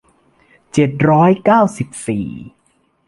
เจ็ดร้อยเก้าสิบสี่